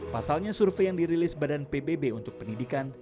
pasalnya survei yang dirilis badan pbb untuk pendidikan